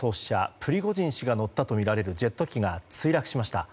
プリゴジン氏が乗ったとみられるジェット機が墜落しました。